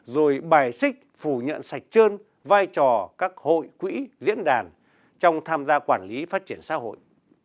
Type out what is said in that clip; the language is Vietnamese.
rồi bài xích phủ nhận sạch trơn vai trò các hội quỹ diễn đàn trong tham gia quản lý phát triển xã hội